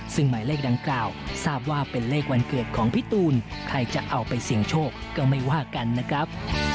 ซึ่งหมายเลขดังกล่าวทราบว่าเป็นเลขวันเกิดของพี่ตูนใครจะเอาไปเสี่ยงโชคก็ไม่ว่ากันนะครับ